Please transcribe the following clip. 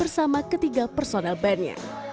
bersama ketiga personal band nya